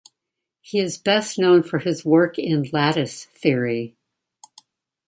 He is best known for his work in lattice theory.